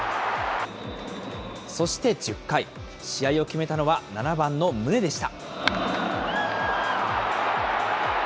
そして１０回、試合を決めたのは、７番の宗でした。